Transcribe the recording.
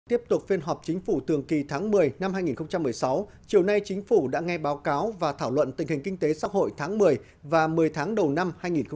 tiếp tục phiên họp chính phủ thường kỳ tháng một mươi năm hai nghìn một mươi sáu chiều nay chính phủ đã nghe báo cáo và thảo luận tình hình kinh tế xã hội tháng một mươi và một mươi tháng đầu năm hai nghìn một mươi chín